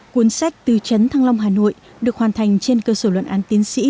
cuốn sách tứ trấn thăng long hà nội được hoàn thành trên cơ sở luận án tiến sĩ